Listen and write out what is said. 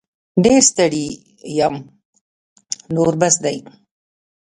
ډير ستړې یم نور بس دی